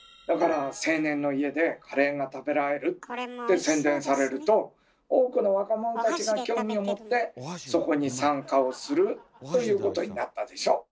だから「青年の家でカレーが食べられる」って宣伝されると多くの若者たちに興味を持ってそこに参加をするということになったでしょ。